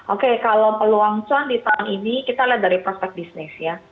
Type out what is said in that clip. oke kalau peluang cuan di tahun ini kita lihat dari prospek bisnis ya